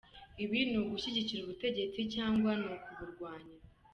Ibi ni ugushyigikira ubutegetsi cyangwa ni ukuburwanya?